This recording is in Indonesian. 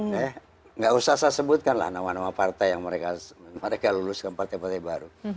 tidak usah saya sebutkan nama nama partai yang mereka luluskan partai partai baru